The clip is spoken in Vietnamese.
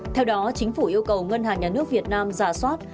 theo đó chính phủ yêu cầu ngân hàng nhà nước việt nam giả soát